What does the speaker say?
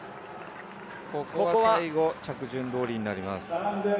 ここは最後、着順通りになります。